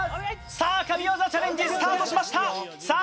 さあ神業チャレンジスタートしましたさあ